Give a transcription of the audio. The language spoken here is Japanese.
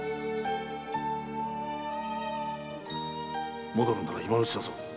〔戻るなら今のうちだぞ〕